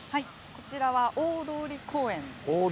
こちらは大通公園ですね。